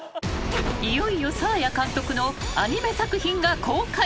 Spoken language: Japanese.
［いよいよサーヤ監督のアニメ作品が公開］